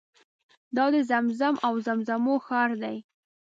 دا د زمزم او زمزمو ښار دی.